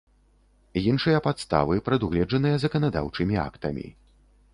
iншыя падставы, прадугледжаныя заканадаўчымi актамi.